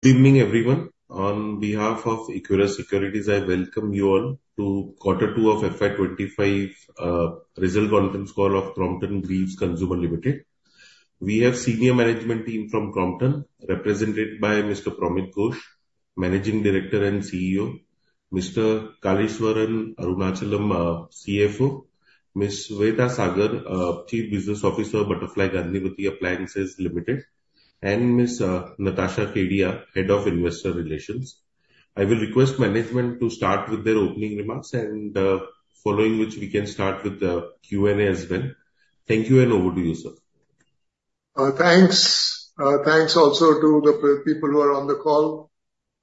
Good evening, everyone. On behalf of Equirus Securities, I welcome you all to Quarter Two of FY 2025 Result Conference Call of Crompton Greaves Consumer Limited. We have a senior management team from Crompton, represented by Mr. Promeet Ghosh, Managing Director and CEO, Mr. Kaleeswaran Arunachalam, CFO, Ms. Shwetha Sagar, Chief Business Officer, Butterfly Gandhimathi Appliances Limited, and Ms. Natasha Kedia, Head of Investor Relations. I will request management to start with their opening remarks, and following which, we can start with the Q&A as well. Thank you, and over to you, sir. Thanks. Thanks also to the people who are on the call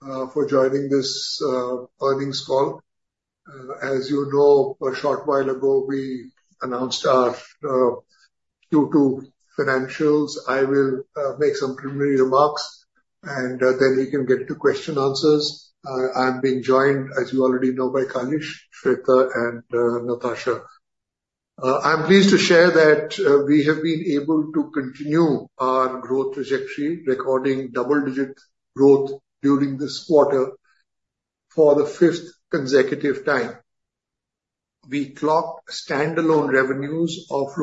for joining this earnings call. As you know, a short while ago, we announced our Q2 financials. I will make some preliminary remarks, and then we can get to question answers. I'm being joined, as you already know, by Kalesh, Shweta, and Natasha. I'm pleased to share that we have been able to continue our growth trajectory, recording double-digit growth during this quarter for the fifth consecutive time. We clocked standalone revenues of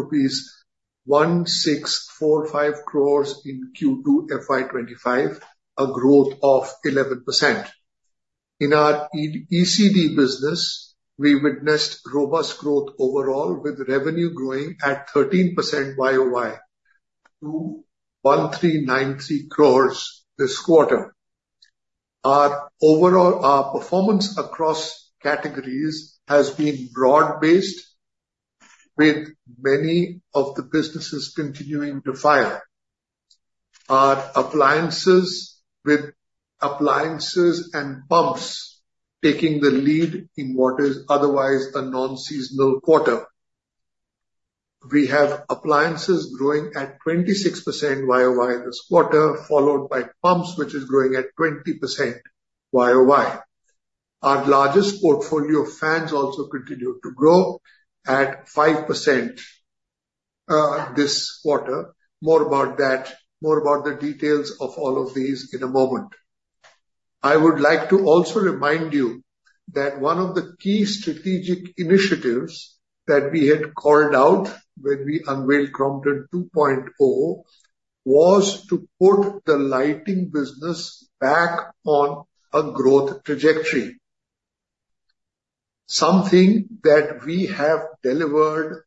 rupees 1,645 crores in Q2 FY 2025, a growth of 11%. In our ECD business, we witnessed robust growth overall, with revenue growing at 13% YOY to 1,393 crores this quarter. Our performance across categories has been broad-based, with many of the businesses continuing to fire. Our appliances, with appliances and pumps, taking the lead in what is otherwise a non-seasonal quarter. We have appliances growing at 26% YOY this quarter, followed by pumps, which is growing at 20% YOY. Our largest portfolio of fans also continued to grow at 5% this quarter. More about that, more about the details of all of these in a moment. I would like to also remind you that one of the key strategic initiatives that we had called out when we unveiled Crompton 2.0 was to put the lighting business back on a growth trajectory, something that we have delivered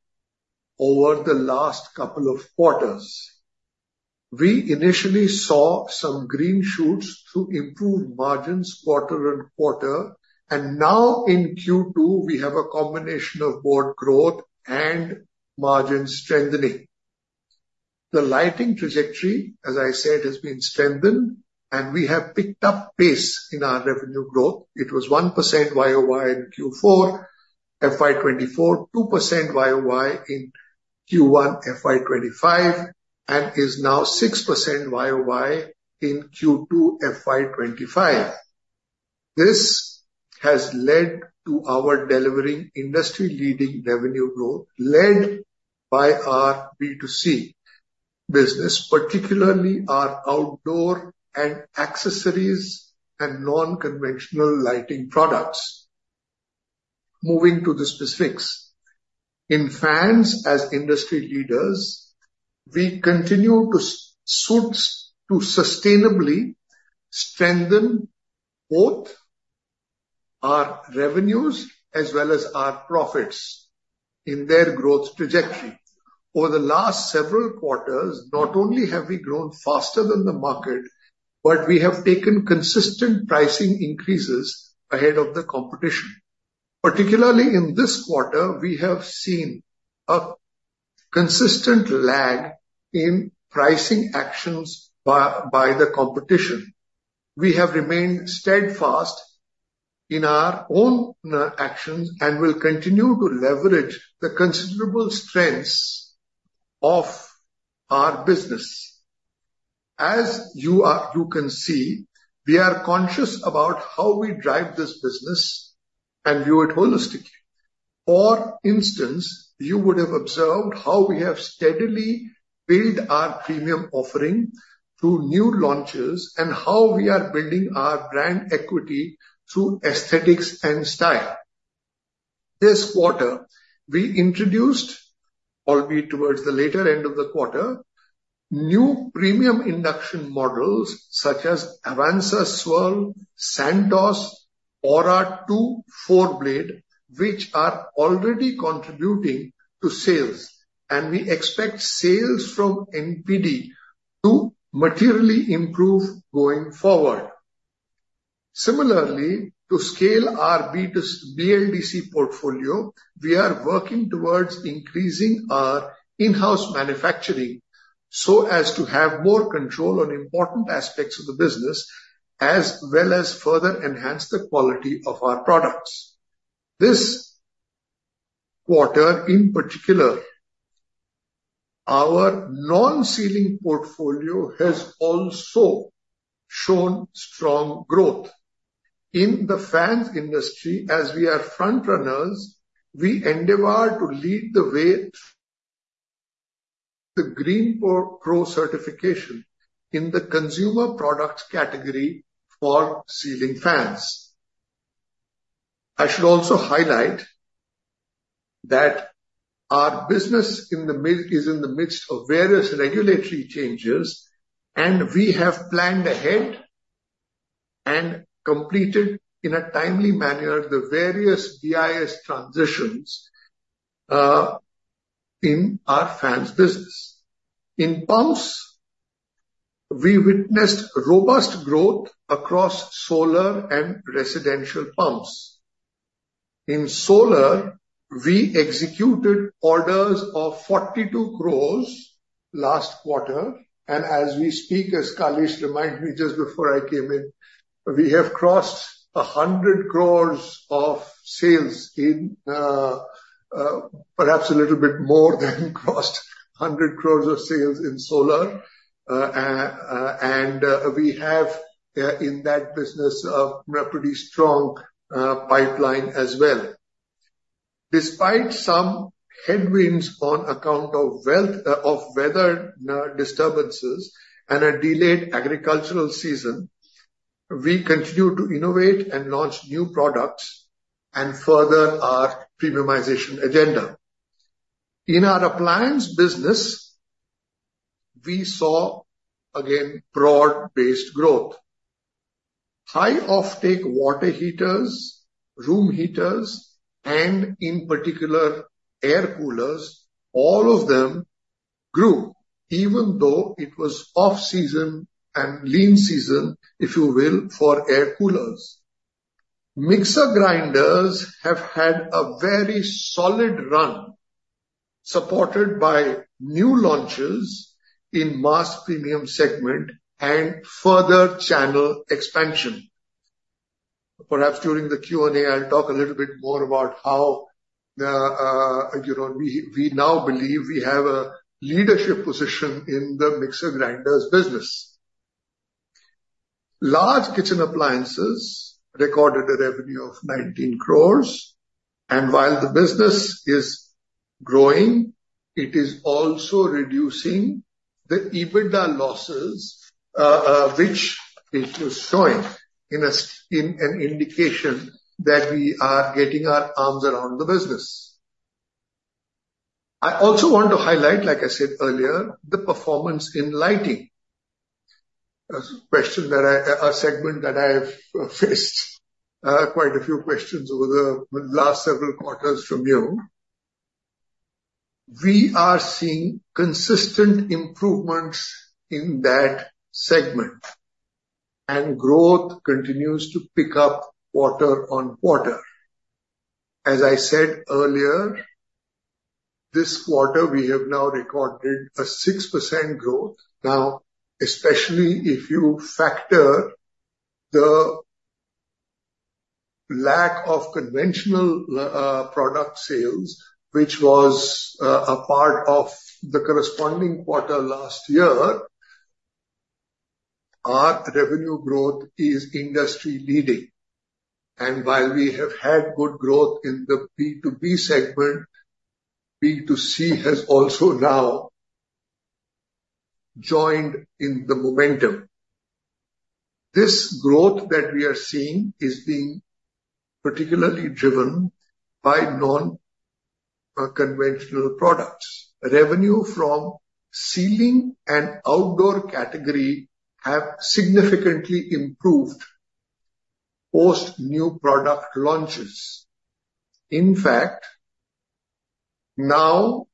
over the last couple of quarters. We initially saw some green shoots to improve margins quarter on quarter, and now in Q2, we have a combination of both growth and margin strengthening. The lighting trajectory, as I said, has been strengthened, and we have picked up pace in our revenue growth. It was 1% YOY in Q4 FY 2024, 2% YOY in Q1 FY 2025, and is now 6% YOY in Q2 FY 2025. This has led to our delivering industry-leading revenue growth, led by our B2C business, particularly our outdoor and accessories and non-conventional lighting products. Moving to the specifics, in fans as industry leaders, we continue to sustainably strengthen both our revenues as well as our profits in their growth trajectory. Over the last several quarters, not only have we grown faster than the market, but we have taken consistent pricing increases ahead of the competition. Particularly in this quarter, we have seen a consistent lag in pricing actions by the competition. We have remained steadfast in our own actions and will continue to leverage the considerable strengths of our business. As you can see, we are conscious about how we drive this business and view it holistically. For instance, you would have observed how we have steadily built our premium offering through new launches and how we are building our brand equity through aesthetics and style. This quarter, we introduced, albeit towards the later end of the quarter, new premium induction models such as Avancer Swirl, Santro, Aura 2, and Four Blade, which are already contributing to sales, and we expect sales from NPD to materially improve going forward. Similarly, to scale our BLDC portfolio, we are working towards increasing our in-house manufacturing so as to have more control on important aspects of the business as well as further enhance the quality of our products. This quarter, in particular, our non-ceiling portfolio has also shown strong growth. In the fans industry, as we are front runners, we endeavor to lead the way with the GreenPro certification in the consumer products category for ceiling fans. I should also highlight that our business is in the midst of various regulatory changes, and we have planned ahead and completed in a timely manner the various BIS transitions in our fans business. In pumps, we witnessed robust growth across solar and residential pumps. In solar, we executed orders of 42 crores last quarter, and as we speak, as Kalesh reminded me just before I came in, we have crossed 100 crores of sales, perhaps a little bit more than crossed 100 crores of sales in solar, and we have in that business a pretty strong pipeline as well. Despite some headwinds on account of weather disturbances and a delayed agricultural season, we continue to innovate and launch new products and further our premiumization agenda. In our appliance business, we saw, again, broad-based growth. High offtake water heaters, room heaters, and in particular, air coolers, all of them grew, even though it was off-season and lean season, if you will, for air coolers. Mixer grinders have had a very solid run, supported by new launches in mass premium segment and further channel expansion. Perhaps during the Q&A, I'll talk a little bit more about how we now believe we have a leadership position in the mixer grinders business. Large kitchen appliances recorded a revenue of 19 crores, and while the business is growing, it is also reducing the EBITDA losses, which it was showing in an indication that we are getting our arms around the business. I also want to highlight, like I said earlier, the performance in lighting. A segment that I have faced quite a few questions over the last several quarters from you. We are seeing consistent improvements in that segment, and growth continues to pick up quarter on quarter. As I said earlier, this quarter, we have now recorded a 6% growth. Now, especially if you factor the lack of conventional product sales, which was a part of the corresponding quarter last year, our revenue growth is industry-leading. While we have had good growth in the B2B segment, B2C has also now joined in the momentum. This growth that we are seeing is being particularly driven by non-conventional products. Revenue from ceiling and outdoor category have significantly improved post-new product launches. In fact, now,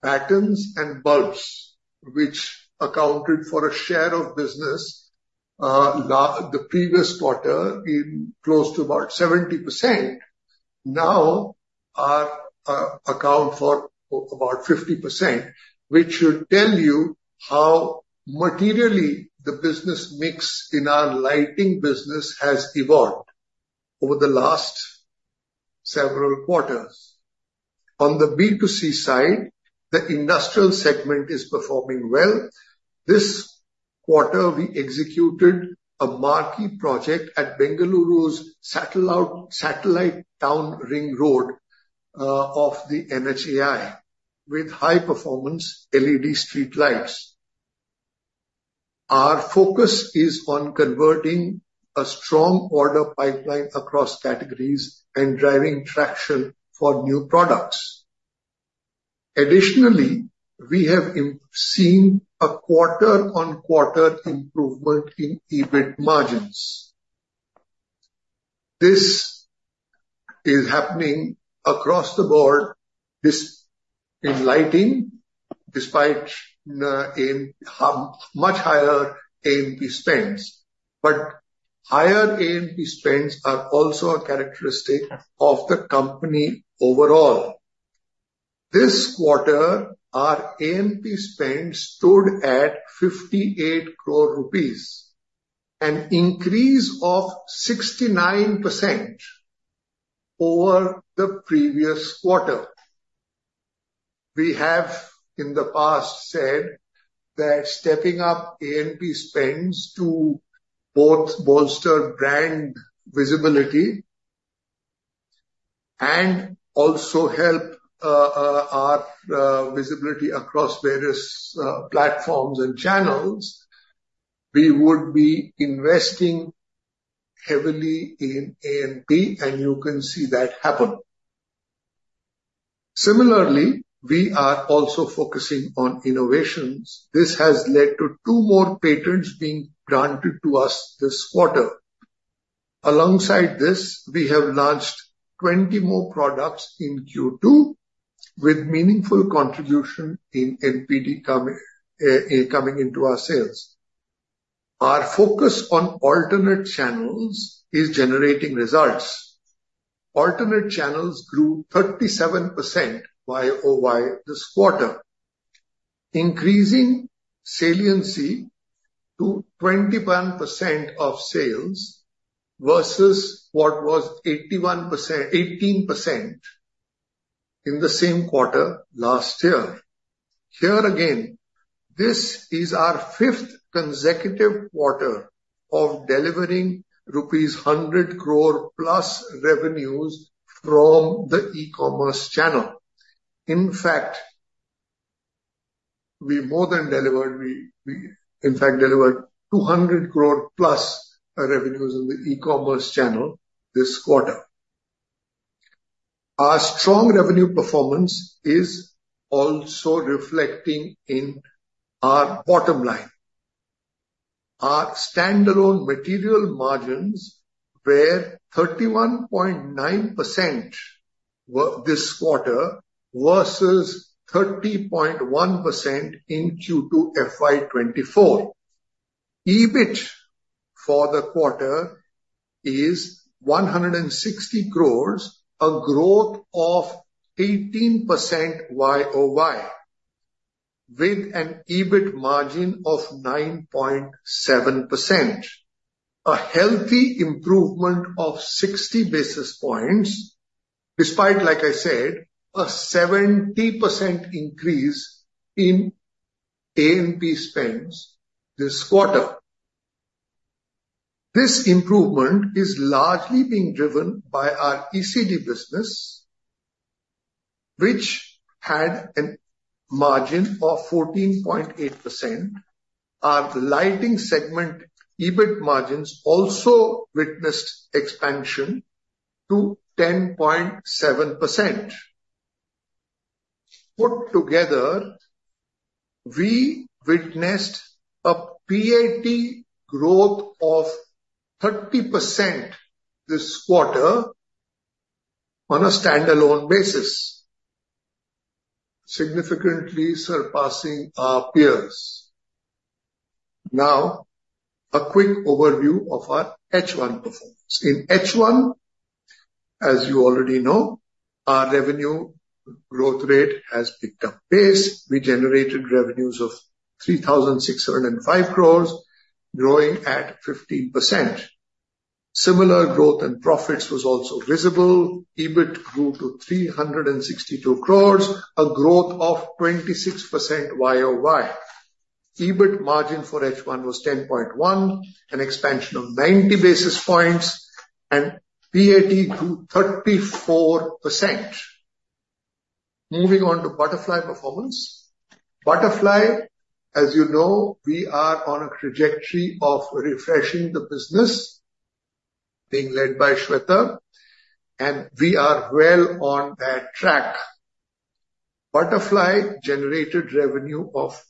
battens and bulbs, which accounted for a share of business the previous quarter in close to about 70%, now account for about 50%, which should tell you how materially the business mix in our lighting business has evolved over the last several quarters. On the B2C side, the industrial segment is performing well. This quarter, we executed a marquee project at Bengaluru's satellite town ring road of the NHAI with high-performance LED street lights. Our focus is on converting a strong order pipeline across categories and driving traction for new products. Additionally, we have seen a quarter-on-quarter improvement in EBIT margins. This is happening across the board in lighting, despite much higher A&P spends. But higher A&P spends are also a characteristic of the company overall. This quarter, our A&P spend stood at 58 crore rupees, an increase of 69% over the previous quarter. We have, in the past, said that stepping up A&P spends to both bolster brand visibility and also help our visibility across various platforms and channels, we would be investing heavily in A&P, and you can see that happen. Similarly, we are also focusing on innovations. This has led to two more patents being granted to us this quarter. Alongside this, we have launched 20 more products in Q2 with meaningful contribution in NPD coming into our sales. Our focus on alternate channels is generating results. Alternate channels grew 37% YOY this quarter, increasing saliency to 21% of sales versus what was 18% in the same quarter last year. Here again, this is our fifth consecutive quarter of delivering rupees 100 crore+ revenues from the e-commerce channel. In fact, we more than delivered. We, in fact, delivered 200 crore+ revenues in the e-commerce channel this quarter. Our strong revenue performance is also reflecting in our bottom line. Our standalone material margins were 31.9% this quarter versus 30.1% in Q2 FY 2024. EBIT for the quarter is 160 crore, a growth of 18% YOY, with an EBIT margin of 9.7%, a healthy improvement of 60 basis points, despite, like I said, a 70% increase in A&P spends this quarter. This improvement is largely being driven by our ECD business, which had a margin of 14.8%. Our lighting segment EBIT margins also witnessed expansion to 10.7%. Put together, we witnessed a PAT growth of 30% this quarter on a standalone basis, significantly surpassing our peers. Now, a quick overview of our H1 performance. In H1, as you already know, our revenue growth rate has picked up pace. We generated revenues of 3,605 crore, growing at 15%. Similar growth and profits was also visible. EBIT grew to 362 crore, a growth of 26% YOY. EBIT margin for H1 was 10.1%, an expansion of 90 basis points, and PAT grew 34%. Moving on to Butterfly performance. Butterfly, as you know, we are on a trajectory of refreshing the business, being led by Shwetha, and we are well on that track. Butterfly generated revenue of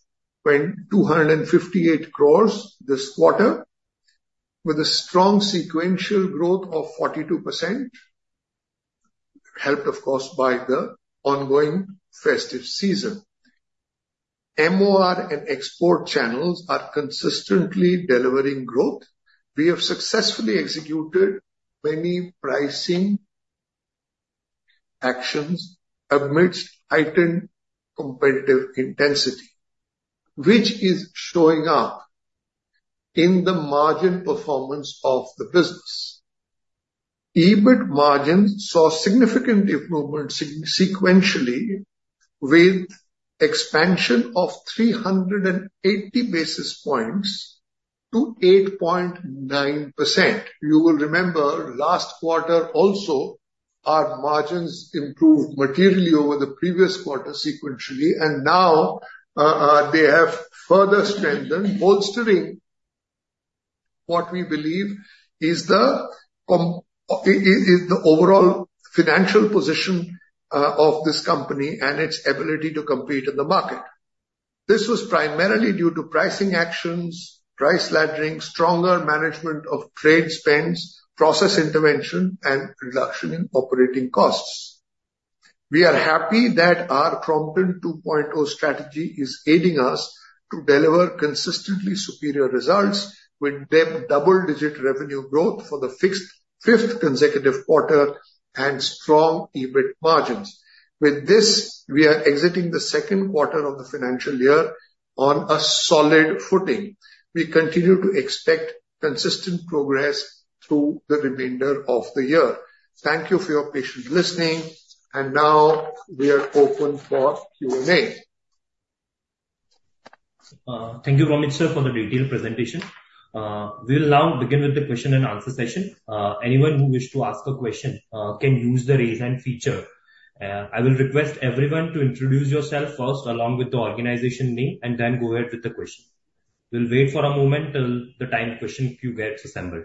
258 crore this quarter, with a strong sequential growth of 42%, helped, of course, by the ongoing festive season. MOR and export channels are consistently delivering growth. We have successfully executed many pricing actions amidst heightened competitive intensity, which is showing up in the margin performance of the business. EBIT margins saw significant improvement sequentially with expansion of 380 basis points to 8.9%. You will remember, last quarter, also our margins improved materially over the previous quarter sequentially, and now they have further strengthened, bolstering what we believe is the overall financial position of this company and its ability to compete in the market. This was primarily due to pricing actions, price laddering, stronger management of trade spends, process intervention, and reduction in operating costs. We are happy that our Crompton 2.0 strategy is aiding us to deliver consistently superior results with double-digit revenue growth for the fifth consecutive quarter and strong EBIT margins. With this, we are exiting the second quarter of the financial year on a solid footing. We continue to expect consistent progress through the remainder of the year. Thank you for your patience listening, and now we are open for Q&A. Thank you, Promeet, for the detailed presentation. We'll now begin with the year-over-year session. Anyone who wishes to ask a question can use the raise hand feature. I will request everyone to introduce yourself first, along with the organization name, and then go ahead with the question. We'll wait for a moment till the time question queue gets assembled.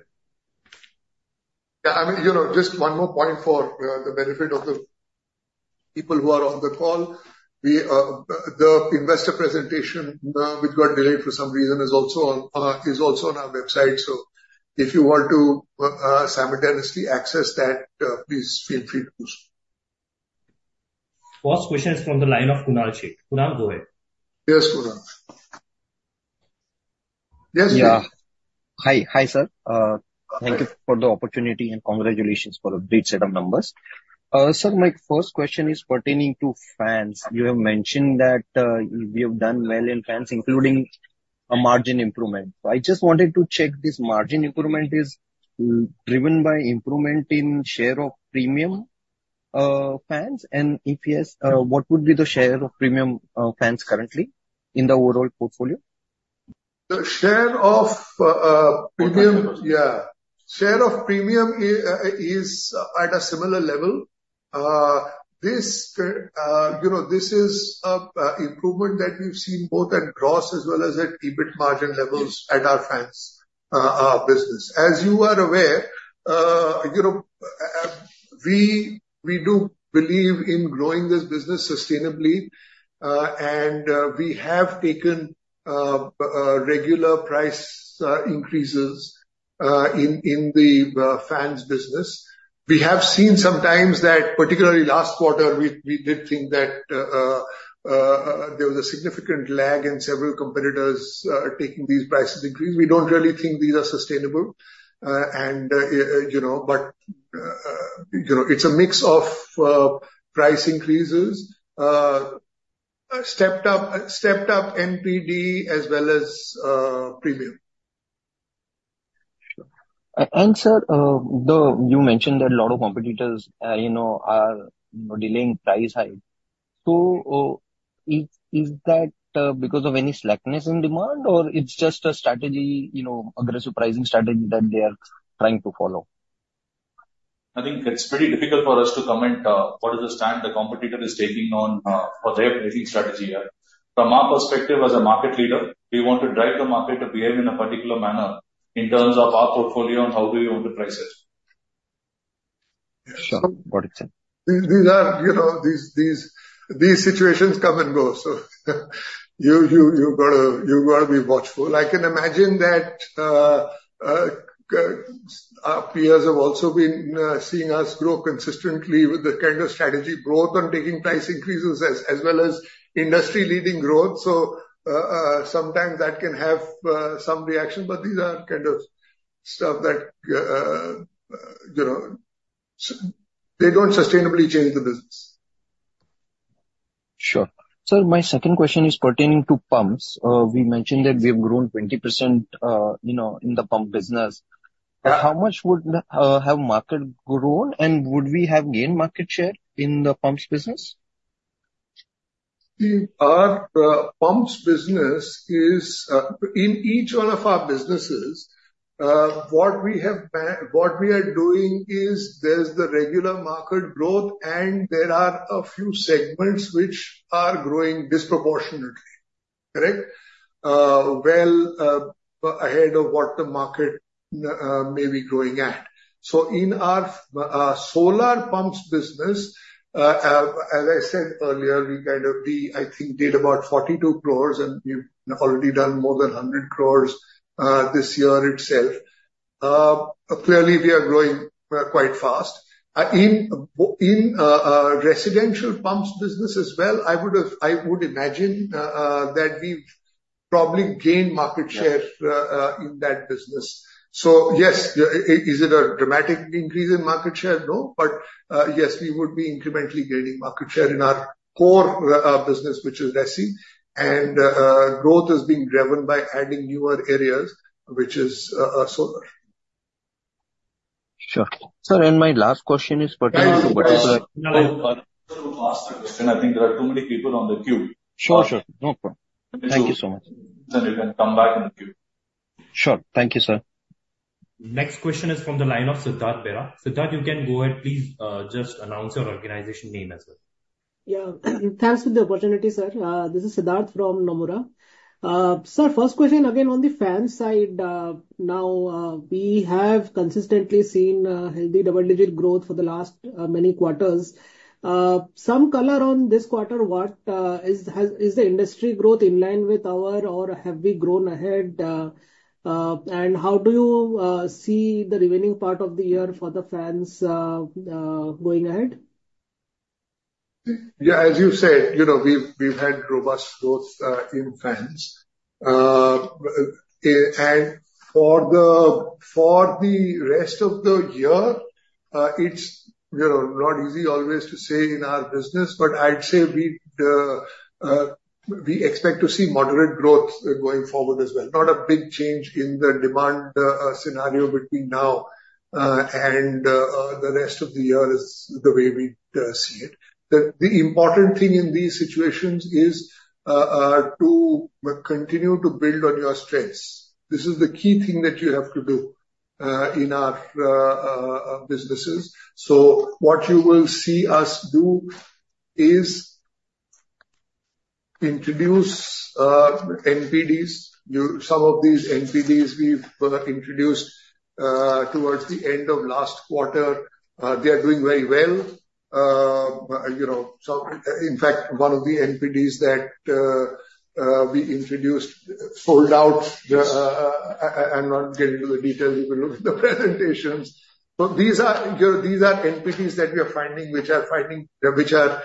Yeah, I mean, just one more point for the benefit of the people who are on the call. The investor presentation, which got delayed for some reason, is also on our website. So if you want to simultaneously access that, please feel free to do so. First question is from the line of Kunal Sheth. Kunal, go ahead. Yes, Kunal. Yes, please. Yeah. Hi, sir. Thank you for the opportunity and congratulations for a great set of numbers. Sir, my first question is pertaining to fans. You have mentioned that we have done well in fans, including a margin improvement. I just wanted to check this margin improvement is driven by improvement in share of premium fans? And if yes, what would be the share of premium fans currently in the overall portfolio? The share of premium, yeah. Share of premium is at a similar level. This is an improvement that we've seen both at gross as well as at EBIT margin levels at our fans business. As you are aware, we do believe in growing this business sustainably, and we have taken regular price increases in the fans business. We have seen sometimes that, particularly last quarter, we did think that there was a significant lag in several competitors taking these price increases. We don't really think these are sustainable, but it's a mix of price increases, stepped-up NPD as well as premium. And, sir, you mentioned that a lot of competitors are delaying price hike. So is that because of any slackness in demand, or it's just a strategy, aggressive pricing strategy that they are trying to follow? I think it's pretty difficult for us to comment on what is the stand the competitor is taking on for their pricing strategy here. From our perspective as a market leader, we want to drive the market to behave in a particular manner in terms of our portfolio and how do we want to price it. Sure. Got it. These situations come and go, so you've got to be watchful. I can imagine that our peers have also been seeing us grow consistently with the kind of strategy growth on taking price increases as well as industry-leading growth. So sometimes that can have some reaction, but these are kind of stuff that they don't sustainably change the business. Sure. Sir, my second question is pertaining to pumps. We mentioned that we have grown 20% in the pump business. How much would have market grown, and would we have gained market share in the pumps business? Our pumps business is in each one of our businesses. What we are doing is there's the regular market growth, and there are a few segments which are growing disproportionately, correct, well ahead of what the market may be growing at. So in our solar pumps business, as I said earlier, we kind of, I think, did about 42 crores, and we've already done more than 100 crores this year itself. Clearly, we are growing quite fast. In residential pumps business as well, I would imagine that we've probably gained market share in that business. So yes, is it a dramatic increase in market share? No, but yes, we would be incrementally gaining market share in our core business, which is fans, and growth is being driven by adding newer areas, which is solar. Sure. Sir, and my last question is pertaining to Butterfly. I think there are too many people on the queue. Sure, sure. No problem. Thank you so much. Then you can come back in the queue. Sure. Thank you, sir. Next question is from the line of Siddharth Bera. Siddharth, you can go ahead. Please just announce your organization name as well. Yeah. Thanks for the opportunity, sir. This is Siddharth from Nomura. Sir, first question again on the fans side. Now, we have consistently seen healthy double-digit growth for the last many quarters. Some color on this quarter, what is the industry growth in line with our, or have we grown ahead? How do you see the remaining part of the year for the fans going ahead? Yeah, as you said, we've had robust growth in fans. For the rest of the year, it's not easy always to say in our business, but I'd say we expect to see moderate growth going forward as well. Not a big change in the demand scenario between now and the rest of the year is the way we see it. The important thing in these situations is to continue to build on your strengths. This is the key thing that you have to do in our businesses. What you will see us do is introduce NPDs. Some of these NPDs we've introduced towards the end of last quarter; they are doing very well. In fact, one of the NPDs that we introduced sold out. I'm not getting into the details. We will look at the presentations, but these are NPDs that we are finding, which are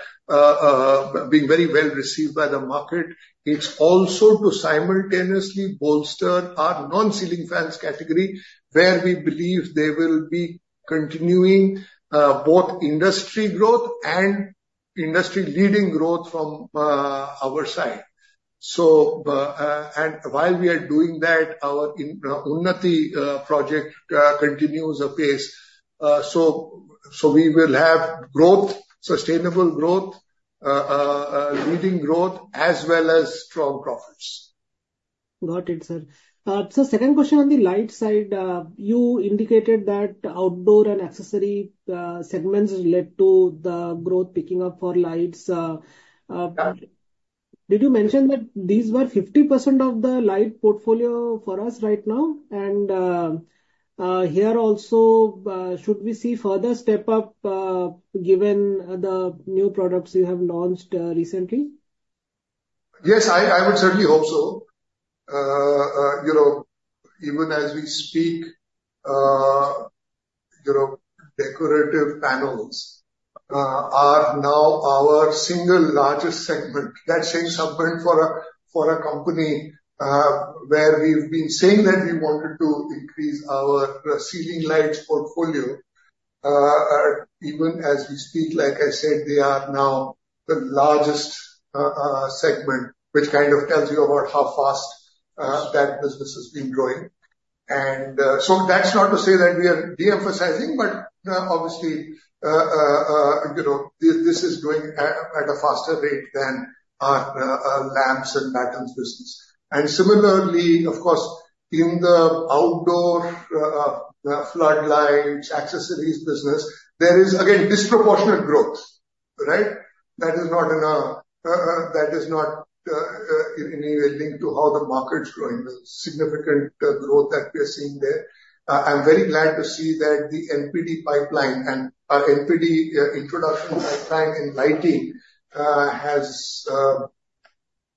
being very well received by the market. It's also to simultaneously bolster our non-ceiling fans category, where we believe they will be continuing both industry growth and industry-leading growth from our side, and while we are doing that, our Project Unnati continues apace, so we will have growth, sustainable growth, leading growth, as well as strong profits. Got it, sir. Sir, second question on the lights side. You indicated that outdoor and accessory segments led to the growth picking up for lights. Did you mention that these were 50% of the lights portfolio for us right now, and here also, should we see further step-up given the new products you have launched recently? Yes, I would certainly hope so. Even as we speak, decorative panels are now our single largest segment. That same segment for a company where we've been saying that we wanted to increase our ceiling lights portfolio. Even as we speak, like I said, they are now the largest segment, which kind of tells you about how fast that business has been growing. And so that's not to say that we are de-emphasizing, but obviously, this is going at a faster rate than our lamps and ballasts business. And similarly, of course, in the outdoor floodlights accessories business, there is, again, disproportionate growth, right? That is not in any way linked to how the market's growing. The significant growth that we are seeing there. I'm very glad to see that the NPD pipeline and NPD introduction pipeline in lighting has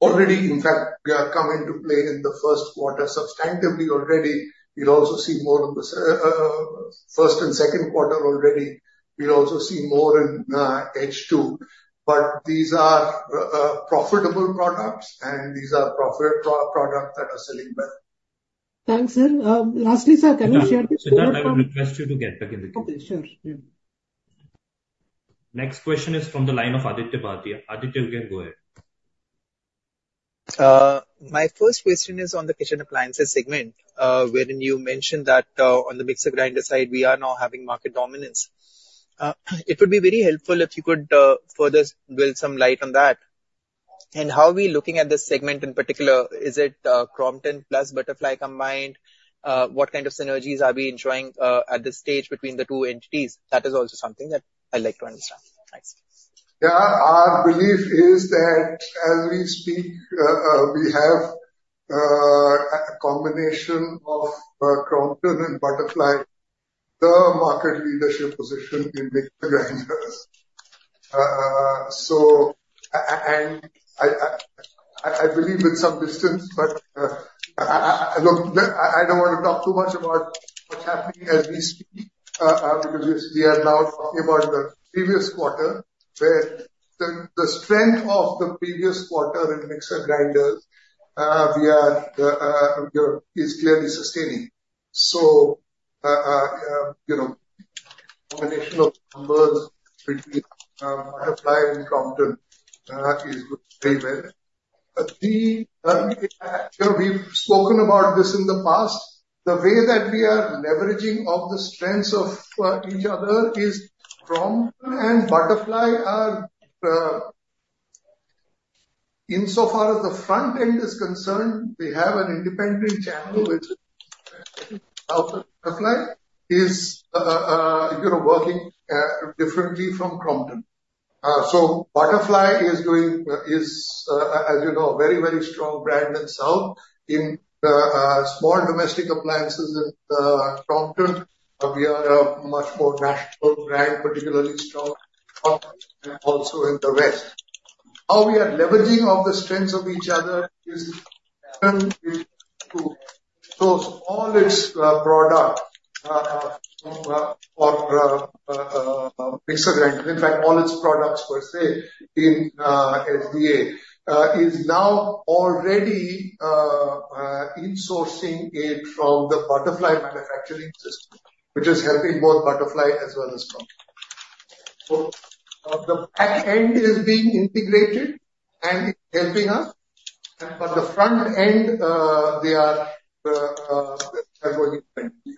already, in fact, come into play in the first quarter substantively already. We'll also see more in the first and second quarter already. We'll also see more in H2. But these are profitable products, and these are profitable products that are selling well. Thanks, sir. Lastly, sir, can you share this? Siddharth, I will request you to get back in the queue. Okay, sure. Next question is from the line of Aditya Bhartia. Aditya, you can go ahead. My first question is on the kitchen appliances segment, wherein you mentioned that on the mixer grinder side, we are now having market dominance. It would be very helpful if you could further shed some light on that. And how are we looking at this segment in particular? Is it Crompton plus Butterfly combined? What kind of synergies are we enjoying at this stage between the two entities? That is also something that I'd like to understand. Thanks. Yeah, our belief is that as we speak, we have a combination of Crompton and Butterfly, the market leadership position in mixer grinders. And I believe with some distance, but look, I don't want to talk too much about what's happening as we speak because we are now talking about the previous quarter, where the strength of the previous quarter in mixer grinders is clearly sustaining. So combination of numbers between Butterfly and Crompton is very well. We've spoken about this in the past. The way that we are leveraging of the strengths of each other is Crompton and Butterfly are insofar as the front end is concerned, we have an independent channel which is working differently from Crompton. So Butterfly is, as you know, a very, very strong brand in the south. In small domestic appliances in Crompton, we are a much more national brand, particularly strong also in the west. How we are leveraging the strengths of each other is so all its products for mixer grinders, in fact, all its products per se in SDA is now already sourcing it from the Butterfly manufacturing system, which is helping both Butterfly as well as Crompton. The back end is being integrated and helping us, but the front end, they are going independently.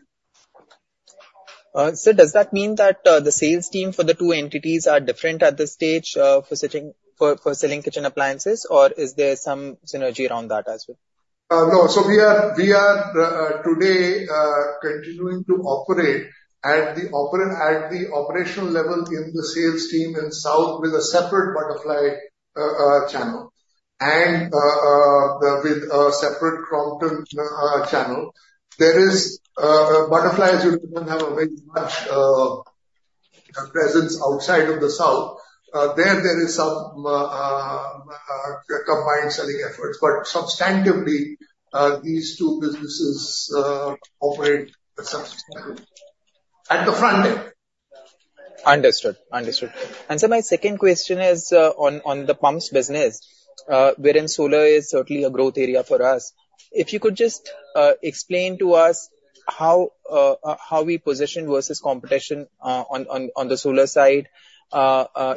Sir, does that mean that the sales team for the two entities are different at this stage for selling kitchen appliances, or is there some synergy around that as well? No. So we are today continuing to operate at the operational level in the south with a separate Butterfly channel and with a separate Crompton channel. Butterfly has a very large presence outside of the south. There is some combined selling efforts, but substantively, these two businesses operate at the front end. Understood. Understood. And sir, my second question is on the pumps business, wherein solar is certainly a growth area for us. If you could just explain to us how we position versus competition on the solar side?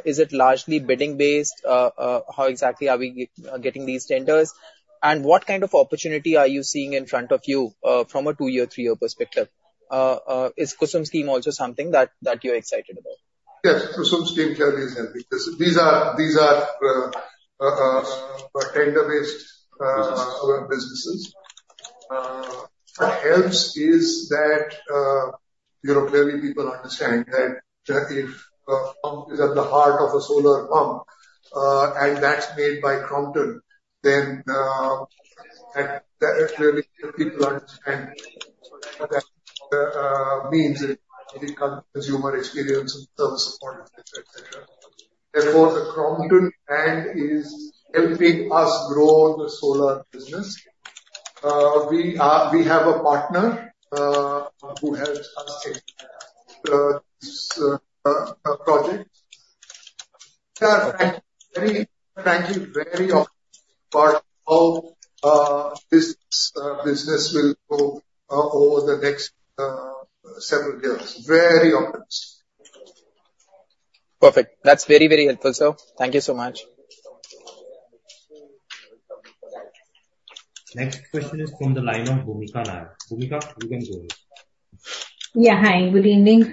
Is it largely bidding-based? How exactly are we getting these tenders? And what kind of opportunity are you seeing in front of you from a two-year, three-year perspective? Is Kusum Scheme also something that you're excited about? Yes, Kusum Scheme clearly is helping. These are tender-based businesses. What helps is that clearly people understand that if a pump is at the heart of a solar pump and that's made by Crompton, then clearly people understand what that means in terms of consumer experience and service support, et cetera. Therefore, the Crompton brand is helping us grow the solar business. We have a partner who helps us in this project. We are very frankly very optimistic about how this business will go over the next several years. Very optimistic. Perfect. That's very, very helpful, sir. Thank you so much. Next question is from the line of Bhumika Nair. Bhumika, you can go ahead. Yeah, hi. Good evening,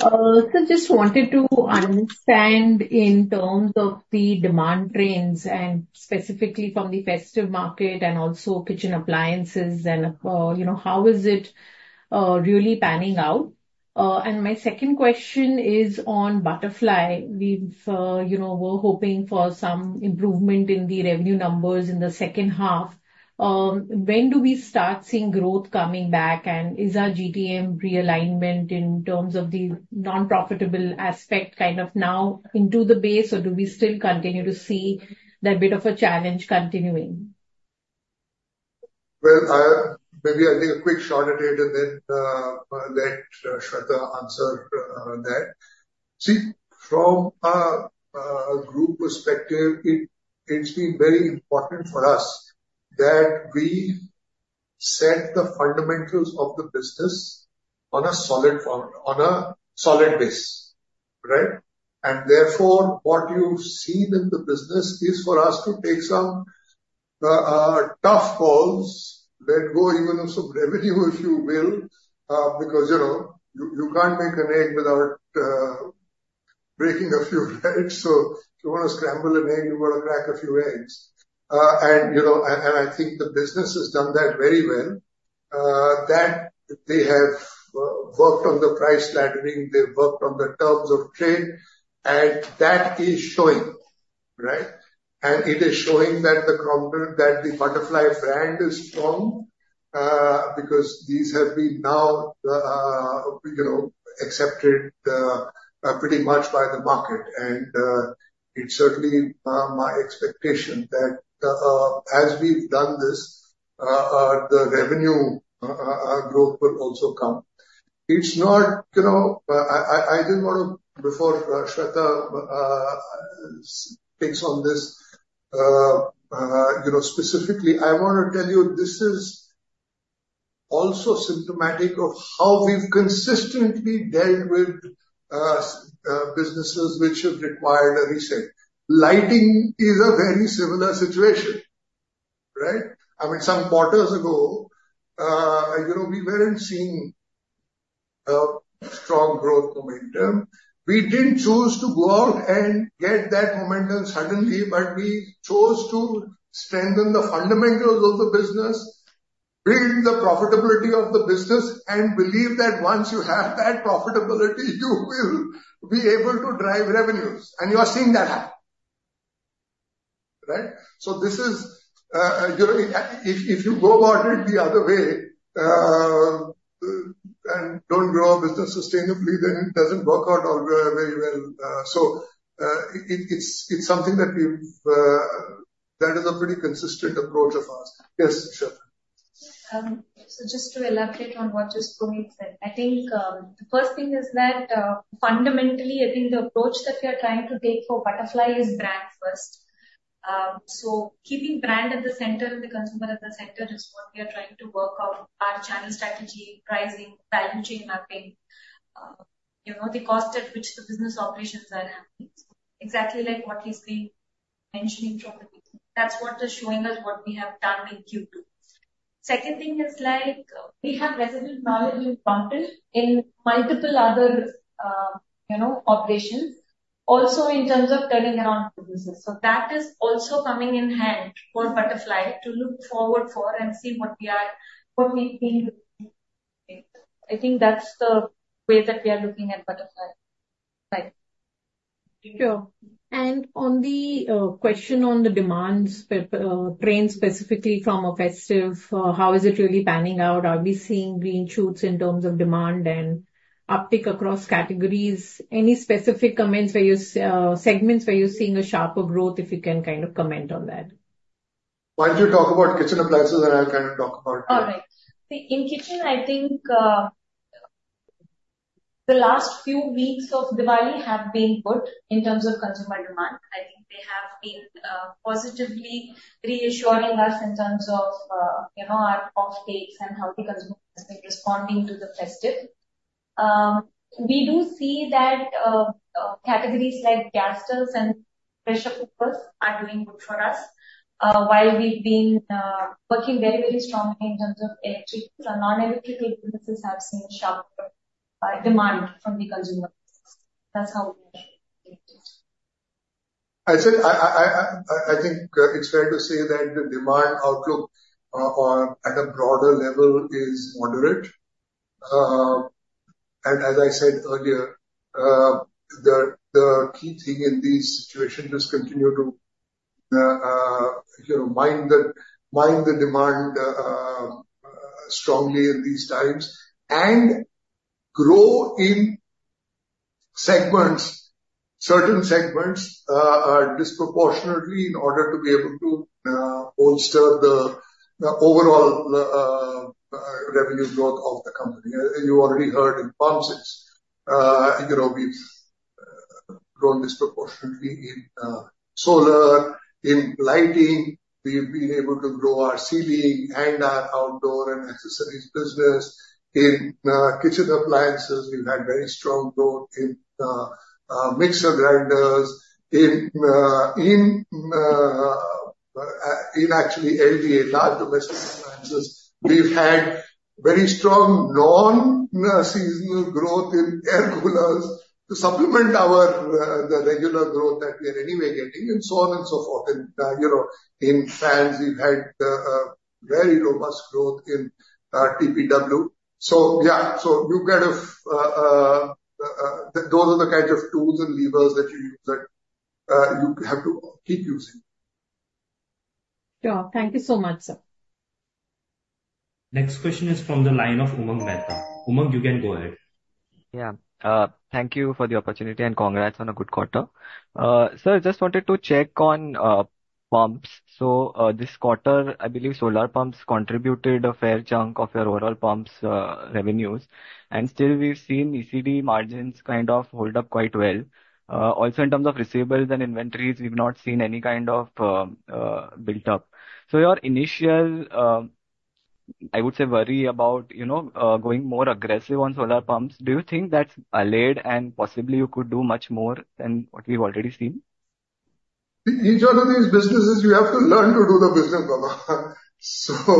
sir. Sir, just wanted to understand in terms of the demand trends and specifically from the festive market and also kitchen appliances, and how is it really panning out? And my second question is on Butterfly. We were hoping for some improvement in the revenue numbers in the second half. When do we start seeing growth coming back, and is our GTM realignment in terms of the non-profitable aspect kind of now into the base, or do we still continue to see that bit of a challenge continuing? Well, maybe I'll take a quick shot at it and then let Shweta answer that. See, from a group perspective, it's been very important for us that we set the fundamentals of the business on a solid base, right? And therefore, what you've seen in the business is for us to take some tough calls, let go even of some revenue if you will, because you can't make an egg without breaking a few, right? So if you want to scramble an egg, you've got to crack a few eggs. I think the business has done that very well, that they have worked on the price ladder, they've worked on the terms of trade, and that is showing, right? It is showing that the Crompton, that the Butterfly brand is strong because these have been now accepted pretty much by the market. It's certainly my expectation that as we've done this, the revenue growth will also come. It's not. I didn't want to, before Shweta takes on this specifically, I want to tell you this is also symptomatic of how we've consistently dealt with businesses which have required a reset. Lighting is a very similar situation, right? I mean, some quarters ago, we weren't seeing strong growth momentum. We didn't choose to go out and get that momentum suddenly, but we chose to strengthen the fundamentals of the business, build the profitability of the business, and believe that once you have that profitability, you will be able to drive revenues. And you are seeing that happen, right? So if you go about it the other way and don't grow a business sustainably, then it doesn't work out very well. So it's something that is a pretty consistent approach of ours. Yes, Shwetha. So just to elaborate on what just Bhumika said, I think the first thing is that fundamentally, I think the approach that we are trying to take for Butterfly is brand first. So keeping brand at the center and the consumer at the center is what we are trying to work on: our channel strategy, pricing, value chain mapping, the cost at which the business operations are happening. Exactly like what he's been mentioning from the beginning. That's what is showing us what we have done in Q2. Second thing is we have resident knowledge in Crompton in multiple other operations, also in terms of turning around businesses. So that is also coming in handy for Butterfly to look forward for and see what we are looking at. I think that's the way that we are looking at Butterfly. Right. Thank you. And on the question on the demand trends specifically from a festive, how is it really panning out? Are we seeing green shoots in terms of demand and uptick across categories? Any specific comments on segments where you're seeing a sharper growth, if you can kind of comment on that? While you talk about kitchen appliances, and I'll kind of talk about. All right. See, in kitchen, I think the last few weeks of Diwali have been good in terms of consumer demand. I think they have been positively reassuring us in terms of our offtakes and how the consumer has been responding to the festive. We do see that categories like gas stoves and pressure cookers are doing good for us while we've been working very, very strongly in terms of electrical. Non-electrical businesses have seen sharper demand from the consumer business. That's how we are doing it. I think it's fair to say that the demand outlook at a broader level is moderate. As I said earlier, the key thing in these situations is continue to mind the demand strongly in these times and grow in segments, certain segments disproportionately in order to be able to bolster the overall revenue growth of the company. You already heard in pumps, we've grown disproportionately in solar, in lighting. We've been able to grow our ceiling and our outdoor and accessories business. In kitchen appliances, we've had very strong growth in mixer grinders. In actually LDA, large domestic appliances, we've had very strong non-seasonal growth in air coolers to supplement the regular growth that we are anyway getting, and so on and so forth. In fans, we've had very robust growth in TPW. So yeah, so you kind of those are the kinds of tools and levers that you have to keep using. Yeah. Thank you so much, sir. Next question is from the line of Umang Mehta. Umang, you can go ahead. Yeah. Thank you for the opportunity and congrats on a good quarter. Sir, I just wanted to check on pumps. So this quarter, I believe solar pumps contributed a fair chunk of your overall pumps revenues. And still, we've seen ECD margins kind of hold up quite well. Also in terms of receivables and inventories, we've not seen any kind of build-up. So your initial, I would say, worry about going more aggressive on solar pumps, do you think that's allayed and possibly you could do much more than what we've already seen? In each one of these businesses, you have to learn to do the business, B2B. So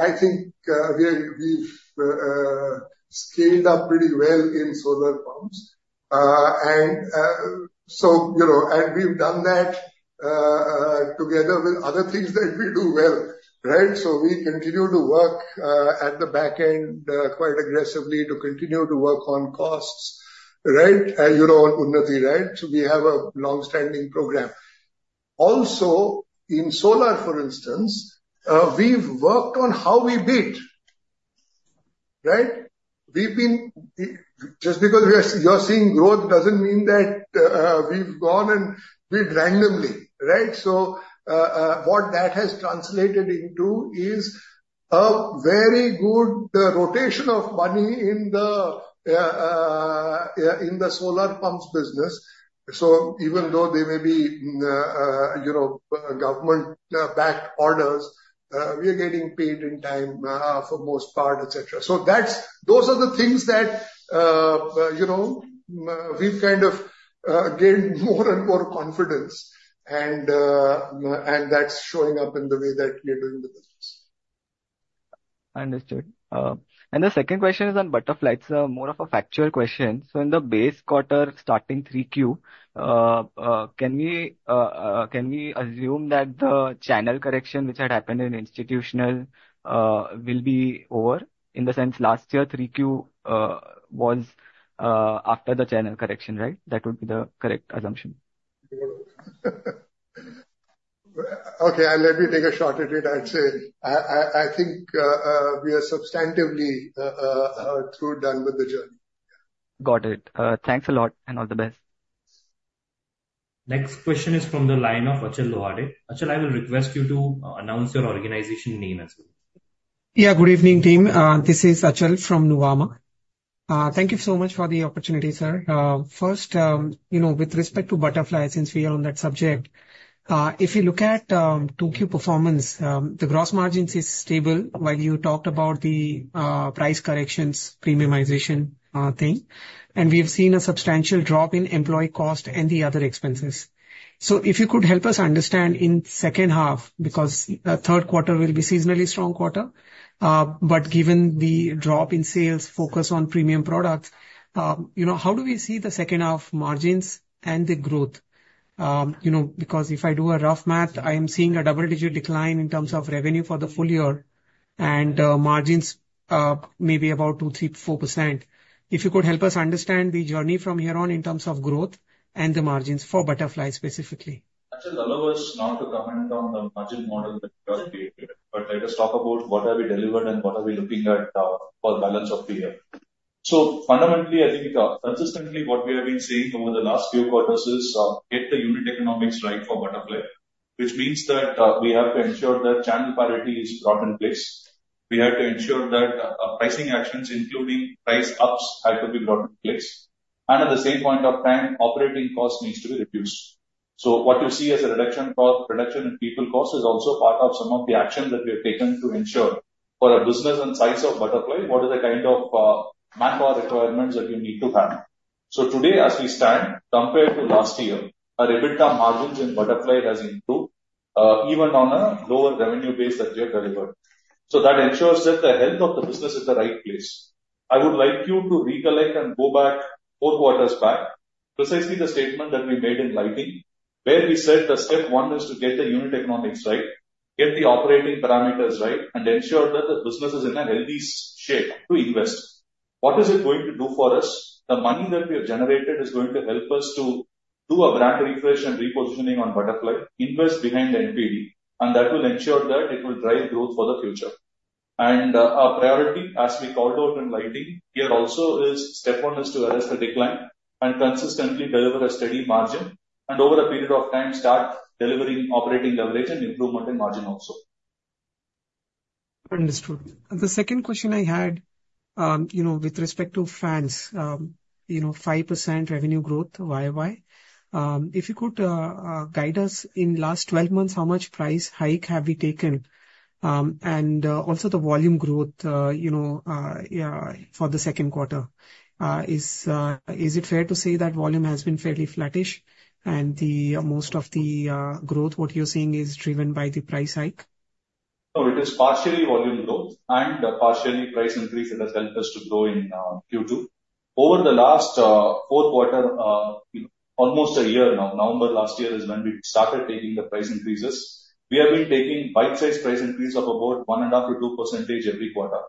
I think we've scaled up pretty well in solar pumps. And so we've done that together with other things that we do well, right? So we continue to work at the back end quite aggressively to continue to work on costs, right? You know Unnati, right? So we have a long-standing program. Also, in solar, for instance, we've worked on how we bid, right? Just because you're seeing growth doesn't mean that we've gone and bid randomly, right? So what that has translated into is a very good rotation of money in the solar pumps business. So even though they may be government-backed orders, we are getting paid in time for the most part, etc. So those are the things that we've kind of gained more and more confidence, and that's showing up in the way that we are doing the business. Understood. And the second question is on Butterfly. It's more of a factual question. In the base quarter starting 3Q, can we assume that the channel correction which had happened in institutional will be over? In the sense, last year 3Q was after the channel correction, right? That would be the correct assumption. Okay. Let me take a shot at it. I'd say I think we are substantively through done with the journey. Got it. Thanks a lot and all the best. Next question is from the line of Achal Lohade. Achal, I will request you to announce your organization name as well. Yeah, good evening, team. This is Achal from Nuvama. Thank you so much for the opportunity, sir. First, with respect to Butterfly, since we are on that subject, if you look at 2Q performance, the gross margins is stable while you talked about the price corrections, premiumization thing. And we have seen a substantial drop in employee cost and the other expenses. So if you could help us understand in second half, because third quarter will be seasonally strong quarter, but given the drop in sales, focus on premium products, how do we see the second half margins and the growth? Because if I do a rough math, I am seeing a double-digit decline in terms of revenue for the full year and margins maybe about 2%, 3%, 4%. If you could help us understand the journey from here on in terms of growth and the margins for Butterfly specifically. Achal, allow us now to comment on the margin model that we have created. But let us talk about what have we delivered and what are we looking at for the balance of the year. So fundamentally, I think consistently what we have been seeing over the last few quarters is get the unit economics right for Butterfly, which means that we have to ensure that channel parity is brought in place. We have to ensure that pricing actions, including price ups, have to be brought in place. And at the same point of time, operating costs need to be reduced. So what you see as a reduction cost, reduction in people cost is also part of some of the actions that we have taken to ensure for a business and size of Butterfly, what are the kind of manpower requirements that you need to have. So today, as we stand, compared to last year, our EBITDA margins in Butterfly has improved even on a lower revenue base that we have delivered. So that ensures that the health of the business is the right place. I would like you to recollect and go back four quarters back, precisely the statement that we made in lighting, where we said the step one is to get the unit economics right, get the operating parameters right, and ensure that the business is in a healthy shape to invest. What is it going to do for us? The money that we have generated is going to help us to do a brand refresh and repositioning on Butterfly, invest behind NPD, and that will ensure that it will drive growth for the future. And our priority, as we called out in lighting here also, is step one is to address the decline and consistently deliver a steady margin and over a period of time, start delivering operating leverage and improvement in margin also. Understood. The second question I had with respect to fans, 5% revenue growth, why, why? If you could guide us in last 12 months, how much price hike have we taken? And also the volume growth for the second quarter, is it fair to say that volume has been fairly flattish and most of the growth, what you're seeing, is driven by the price hike? So it is partially volume growth and partially price increase that has helped us to grow in Q2. Over the last four quarter, almost a year now, November last year is when we started taking the price increases. We have been taking bite-sized price increase of about 1.5%-2% every quarter.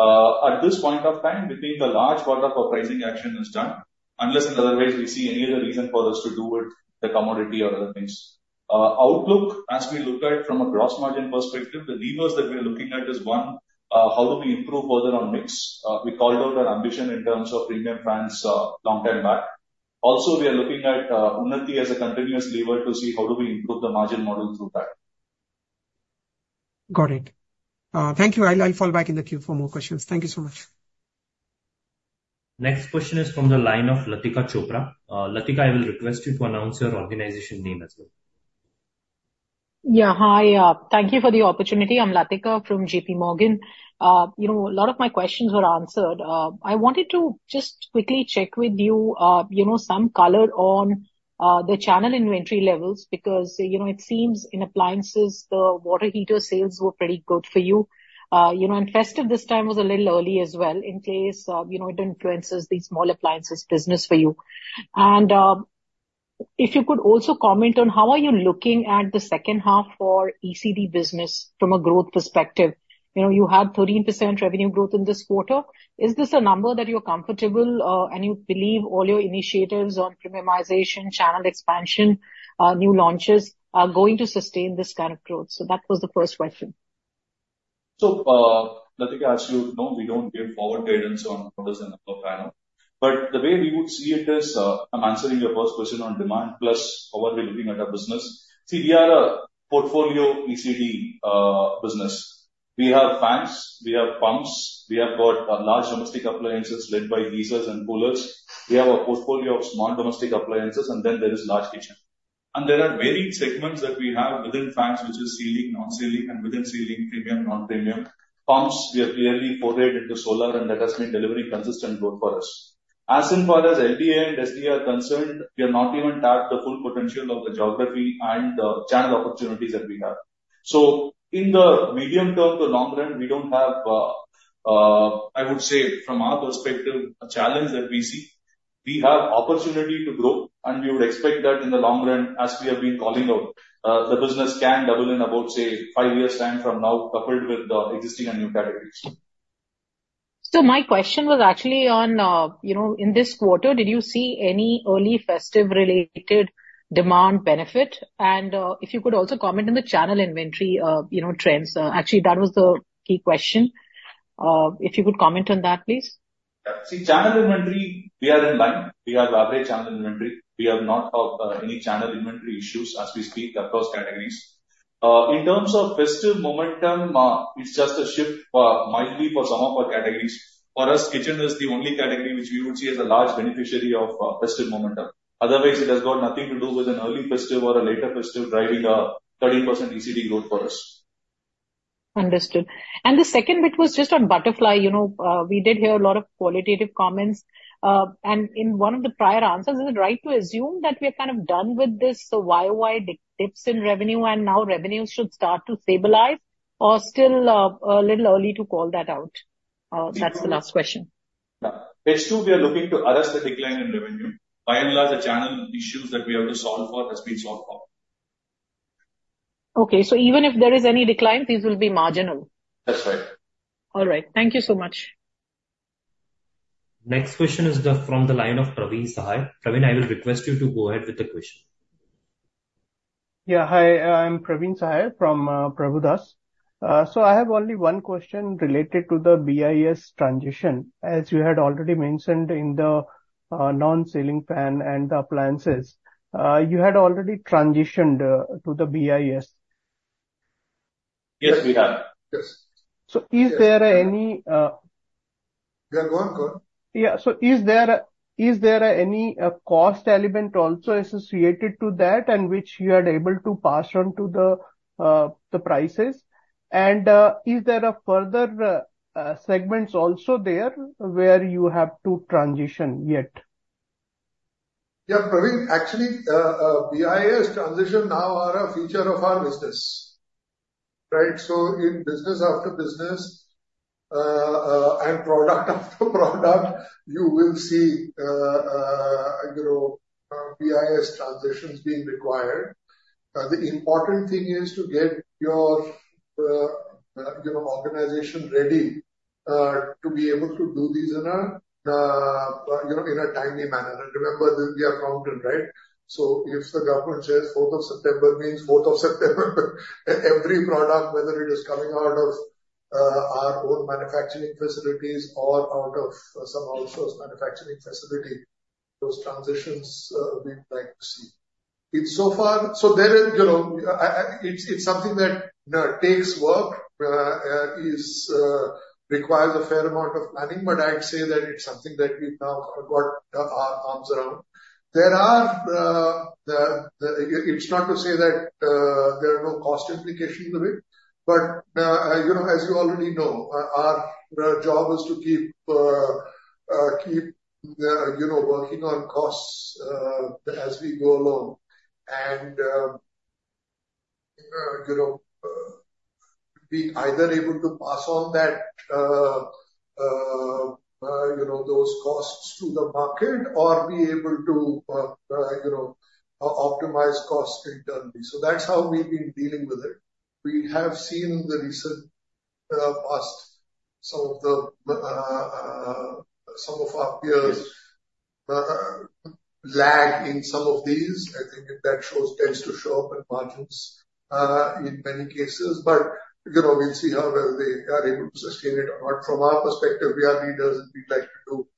At this point of time, we think a large part of our pricing action is done, unless otherwise we see any other reason for us to do with the commodity or other things. Outlook, as we look at from a gross margin perspective, the levers that we are looking at is one, how do we improve further on mix? We called out our ambition in terms of premium fans long time back. Also, we are looking at Unnati as a continuous lever to see how do we improve the margin model through that. Got it. Thank you. I'll fall back in the queue for more questions. Thank you so much. Next question is from the line of Latika Chopra. Latika, I will request you to announce your organization name as well. Yeah, hi. Thank you for the opportunity. I'm Latika from JPMorgan. A lot of my questions were answered. I wanted to just quickly check with you some color on the channel inventory levels because it seems in appliances, the water heater sales were pretty good for you. Festive this time was a little early as well in case it influences the small appliances business for you. And if you could also comment on how are you looking at the second half for ECD business from a growth perspective. You had 13% revenue growth in this quarter. Is this a number that you're comfortable and you believe all your initiatives on premiumization, channel expansion, new launches are going to sustain this kind of growth? So that was the first question. So Latika asked you, no, we don't give forward guidance on orders and upfront. But the way we would see it is I'm answering your first question on demand plus how are we looking at our business. See, we are a portfolio ECD business. We have fans, we have pumps, we have got large domestic appliances led by geysers and coolers. We have a portfolio of small domestic appliances, and then there is large kitchen. And there are varying segments that we have within fans, which is ceiling, non-ceiling, and within ceiling, premium, non-premium. Pumps, we have clearly portrayed into solar, and that has been delivering consistent growth for us. As far as LDA and SD are concerned, we have not even tapped the full potential of the geography and the channel opportunities that we have. So in the medium term to long run, we don't have, I would say, from our perspective, a challenge that we see. We have opportunity to grow, and we would expect that in the long run, as we have been calling out, the business can double in about, say, five years' time from now, coupled with existing and new categories. So my question was actually on, in this quarter, did you see any early festive-related demand benefit? And if you could also comment on the channel inventory trends. Actually, that was the key question. If you could comment on that, please. See, channel inventory, we are in line. We have average channel inventory. We have not had any channel inventory issues as we speak across categories. In terms of festive momentum, it's just a shift mildly for some of our categories. For us, kitchen is the only category which we would see as a large beneficiary of festive momentum. Otherwise, it has got nothing to do with an early festive or a later festive driving a 30% ECD growth for us. Understood. And the second bit was just on Butterfly. We did hear a lot of qualitative comments. And in one of the prior answers, is it right to assume that we are kind of done with this YOY dips in revenue and now revenues should start to stabilize? Or still a little early to call that out? That's the last question. Festive we are looking to address the decline in revenue. By and large, the channel issues that we have to solve for have been solved for. Okay. So even if there is any decline, these will be marginal? That's right. All right. Thank you so much. Next question is from the line of Praveen Sahay. Praveen, I will request you to go ahead with the question. Yeah, hi. I'm Praveen Sahay from Prabhudas. So I have only one question related to the BIS transition. As you had already mentioned in the non-ceiling fan and the appliances, you had already transitioned to the BIS. Yes, we have. So is there any? Yeah, go on, go on. Yeah. So is there any cost element also associated to that and which you are able to pass on to the prices? And is there a further segment also there where you have to transition yet? Yeah, Praveen, actually, BIS transition now are a feature of our business, right? So in business after business and product after product, you will see BIS transitions being required. The important thing is to get your organization ready to be able to do these in a timely manner. And remember, we are counting, right? So if the government says 4th of September means 4th of September, every product, whether it is coming out of our own manufacturing facilities or out of some outsourced manufacturing facility, those transitions we would like to see. So far, so it's something that takes work, requires a fair amount of planning, but I'd say that it's something that we've now got our arms around. It's not to say that there are no cost implications of it, but as you already know, our job is to keep working on costs as we go along and being either able to pass on those costs to the market or be able to optimize costs internally, so that's how we've been dealing with it. We have seen in the recent past some of our peers lag in some of these. I think that tends to show up in margins in many cases, but we'll see how well they are able to sustain it or not. From our perspective, we are leaders and we'd like to do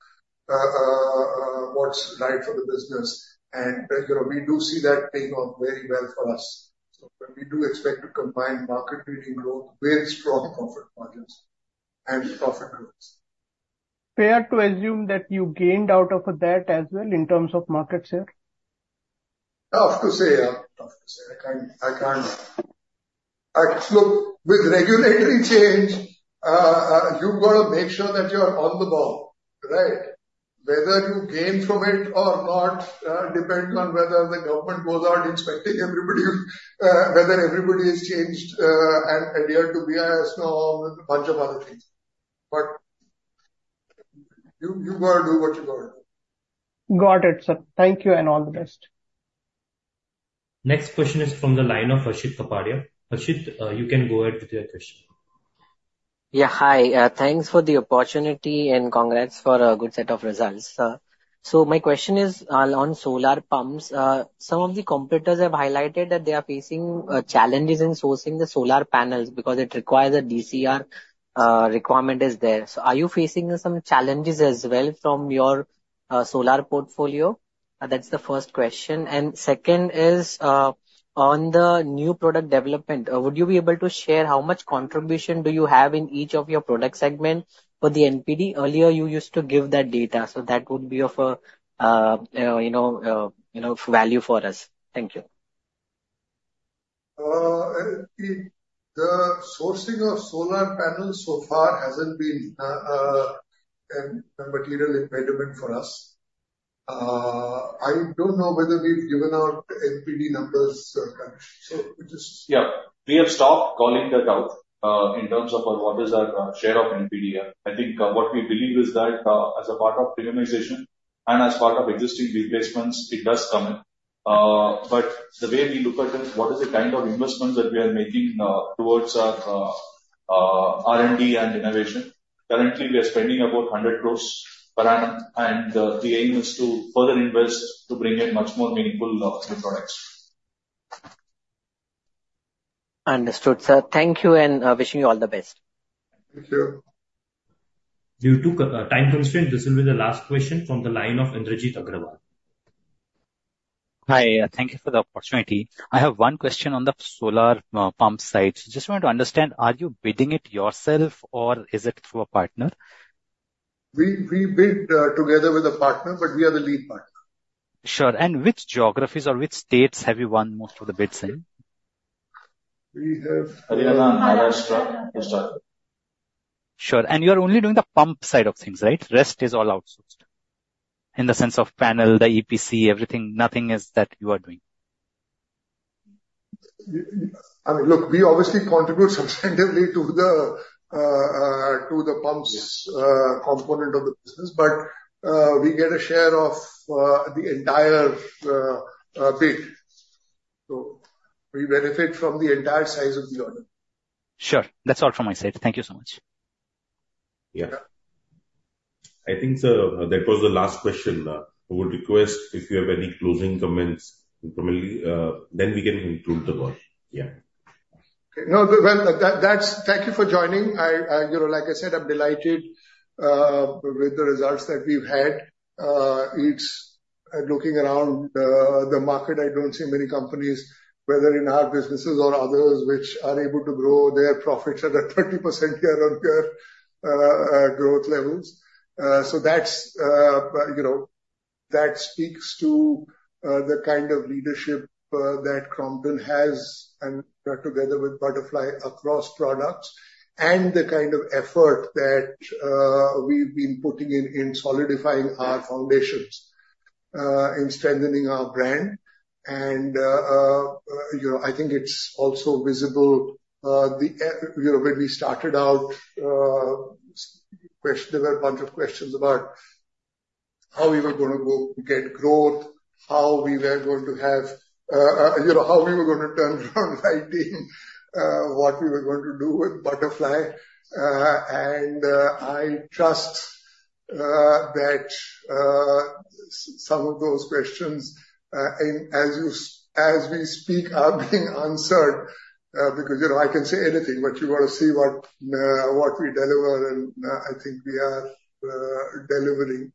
what's right for the business. We do see that paying off very well for us. So we do expect to combine market-leading growth with strong profit margins and profit growth. Fair to assume that you gained out of that as well in terms of market share? Tough to say. Tough to say. Look, with regulatory change, you've got to make sure that you're on the ball, right? Whether you gain from it or not depends on whether the government goes out inspecting everybody, whether everybody has changed and adhered to BIS norms, a bunch of other things. But you got to do what you got to do. Got it, sir. Thank you and all the best. Next question is from the line of Harshit Kapadia. Harshit, you can go ahead with your question. Yeah, hi. Thanks for the opportunity and congrats for a good set of results. So my question is on solar pumps. Some of the competitors have highlighted that they are facing challenges in sourcing the solar panels because it requires a DCR requirement. Is there? So are you facing some challenges as well from your solar portfolio? That's the first question, and second is on the new product development, would you be able to share how much contribution do you have in each of your product segments for the NPD? Earlier, you used to give that data, so that would be of a value for us. Thank you. The sourcing of solar panels so far hasn't been a material impediment for us. I don't know whether we've given out NPD numbers. Yeah. We have stopped calling that out in terms of what is our share of NPD. I think what we believe is that as a part of premiumization and as part of existing replacements, it does come in. But the way we look at it, what is the kind of investments that we are making towards our R&D and innovation? Currently, we are spending about 100 crores per annum, and the aim is to further invest to bring in much more meaningful products. Understood, sir. Thank you and wishing you all the best. Thank you. Due to time constraints, this will be the last question from the line of Indrajit Agrawal. Hi. Thank you for the opportunity. I have one question on the solar pump side. Just wanted to understand, are you bidding it yourself or is it through a partner? We bid together with a partner, but we are the lead partner. Sure. And which geographies or which states have you won most of the bids in? Sure. And you are only doing the pump side of things, right? Rest is all outsourced in the sense of panel, the EPC, everything. Nothing is that you are doing. I mean, look, we obviously contribute substantively to the pumps component of the business, but we get a share of the entire bid. So we benefit from the entire size of the order. Sure. That's all from my side. Thank you so much. Yeah. I think that was the last question. I would request if you have any closing comments, then we can include the call. Yeah. No, thank you for joining. Like I said, I'm delighted with the results that we've had. Looking around the market, I don't see many companies, whether in our businesses or others, which are able to grow their profits at a 30% year-on-year growth levels. So that speaks to the kind of leadership that Crompton has together with Butterfly across products and the kind of effort that we've been putting in solidifying our foundations, in strengthening our brand. And I think it's also visible when we started out, there were a bunch of questions about how we were going to get growth, how we were going to have, how we were going to turn around right what we were going to do with Butterfly. And I trust that some of those questions, as we speak, are being answered because I can say anything, but you got to see what we deliver, and I think we are delivering.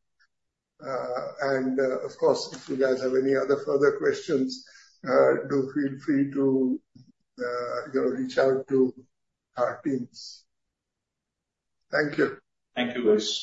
And of course, if you guys have any other further questions, do feel free to reach out to our teams. Thank you. Thank you, Ghosh.